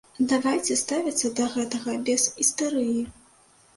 Давайце ставіцца да гэтага без істэрыі.